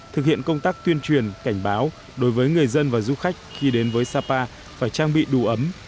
thực hiện công tác tuyên truyền cảnh báo đối với người dân và du khách khi đến với sapa phải trang bị đủ ấm